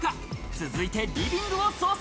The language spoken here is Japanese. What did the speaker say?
続いてリビングを捜査。